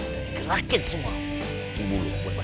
dan gerakin semua tubuh lo buat bertarung